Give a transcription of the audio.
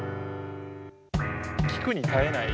聴くに堪えない。